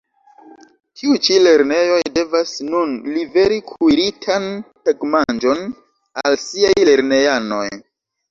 Tiuj ĉi lernejoj devas nun liveri kuiritan tagmanĝon al siaj lernejanoj.